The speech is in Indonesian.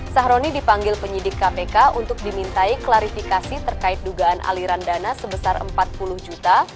sahroni dipanggil penyidik kpk untuk dimintai klarifikasi terkait dugaan aliran dana sebesar empat puluh juta